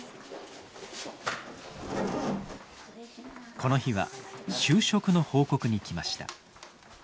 この日は就職の報告に来ました。